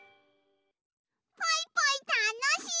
ポイポイたのしい！